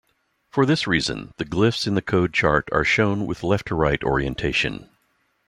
For this reason, the glyphs in the code chart are shown with left-to-right orientation.